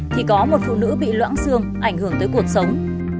thì có một phụ nữ bị loãng xương ảnh hưởng tới cuộc sống